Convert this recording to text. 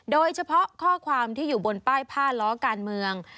โดยเฉพาะข้อความที่อยู่บนป้ายผ้าล้อการเมือง